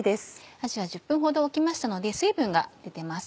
あじは１０分ほど置きましたので水分が出ています。